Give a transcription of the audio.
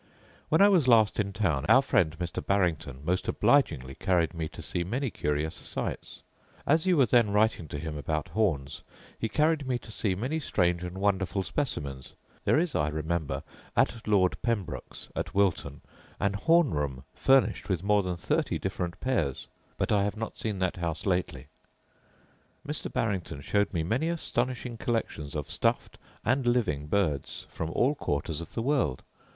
When I was last in town our friend Mr. Barrington most obligingly carried me to see many curious sights. As you were then writing to him about horns, he carried me to see many strange and wonderful specimens. There is, I remember, at Lord Pembroke's, at Wilton, an horn room furnished with more than thirty different pairs; but I have not seen that house lately. Mr. Barrington showed me many astonishing collections of stuffed and living birds from all quarters of the world.